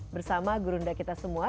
bersama gurunda kita semua